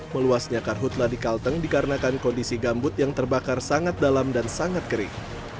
meluasnya karhutlah di kalteng dikarenakan kondisi gambut yang terbakar sangat dalam dan sangat kering